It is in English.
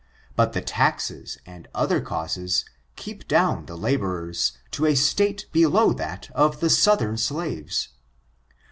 But the taxes and other causes, keep down the laborers to a state below that of the southern slaves.